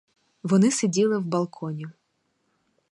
Вони сиділи в балконі.